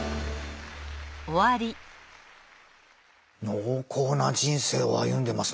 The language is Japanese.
濃厚な人生を歩んでますね。